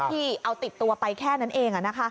ที่เอาติดตัวไปแค่นั้นเอง